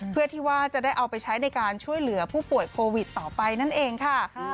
เพื่อที่ว่าจะได้เอาไปใช้ในการช่วยเหลือผู้ป่วยโควิดต่อไปนั่นเองค่ะ